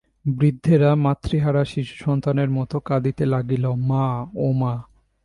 বৃদ্ধেরা মাতৃহারা শিশুসন্তানের মতো কাঁদিতে লাগিল, মা, ওমা!